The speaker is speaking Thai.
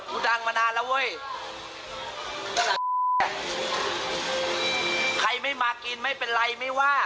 ดังมานานแล้วเว้ยใครไม่มากินไม่เป็นไรไม่ว่า